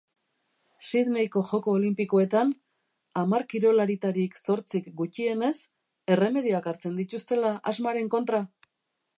Sydneyko joko olinpikoetan, hamar kirolaritarik zortzik gutienez erremedioak hartzen dituztela asmaren kontra!